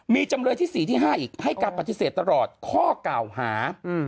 มีจำเลยที่๔ที่๕อีกให้การปฏิเสธตลอดข้อกล่าวหา